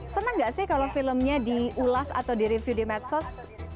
senang gak sih kalau filmnya diulas atau direview di medsos